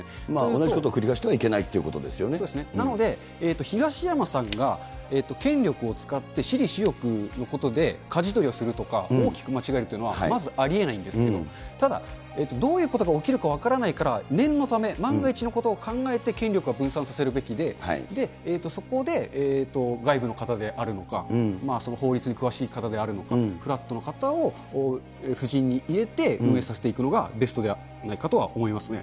同じことを繰り返していけななので、東山さんが権力を使って、私利私欲のことで、かじ取りをするとか、大きく間違えるというのは、まずありえないんですけど、ただ、どういうことが起きるか分からないから、念のため、万が一のことを考えて、権力は分散させるべきで、そこで外部の方であるのか、法律に詳しい方であるのか、フラットな方を布陣に入れて、運営させていくのがベストではないかと思いますね。